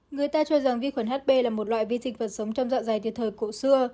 người ta cho rằng vi khuẩn hp là một loại vi dịch vật sống trong dạ dày từ thời cổ xưa